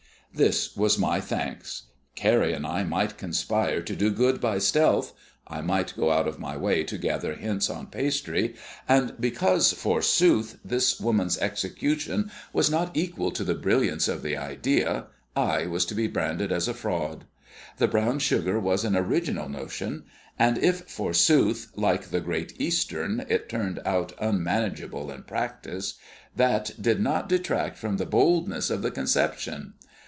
That was my thanks. Carrie and I might conspire to do good by stealth I might go out of my way to gather hints on pastry and because, forsooth, this woman's execution was not equal to the brilliance of the idea, I was to be branded as a fraud! The brown sugar was an original notion; and if, forsooth, like the Great Eastern, it turned out unmanageable in practice, that did not detract from the boldness of the conception.